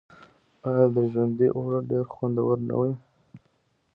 آیا د ژرندې اوړه ډیر خوندور نه وي؟